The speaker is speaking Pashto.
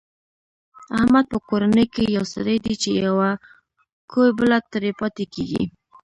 احمد په کورنۍ کې یو سری دی، چې یوه کوي بله ترې پاتې کېږي.